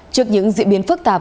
trước những diễn biến phức tạp